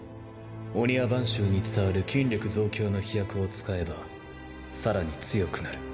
御庭番衆に伝わる筋力増強の秘薬を使えばさらに強くなる。